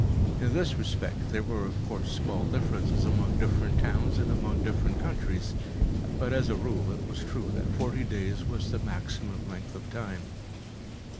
In this respect, there were, of course, small differences among different towns and among different countries, but as a rule it was true that forty days was the maximum length of time.